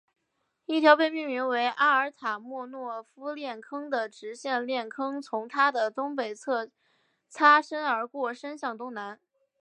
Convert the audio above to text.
一条被命名为阿尔塔莫诺夫链坑的直线链坑从它的东北侧擦身而过伸向东南。